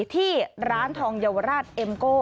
ที่ร้านทองเยาวราชเอ็มโก้